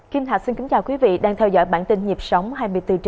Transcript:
kinh thạch xin kính chào quý vị đang theo dõi bản tin nhịp sóng hai mươi bốn h bảy